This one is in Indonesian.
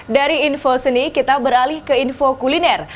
dari info seni kita beralih ke info kuliner